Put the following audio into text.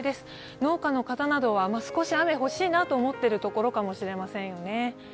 農家の方などは少し雨が欲しいなと思ってるところかもしれませんね。